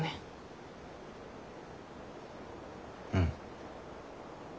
うん。